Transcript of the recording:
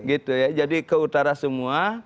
gitu ya jadi ke utara semua